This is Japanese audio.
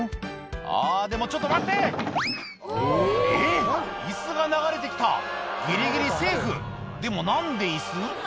「あでもちょっと待って」えっ椅子が流れて来たギリギリセーフでも何で椅子？